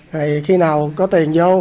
thì khi nào có tiền vô